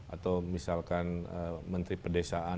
atau misalkan menteri pedesaan